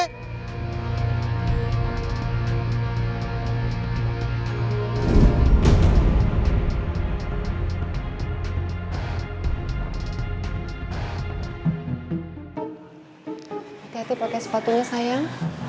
hati hati pakai sepatunya sayang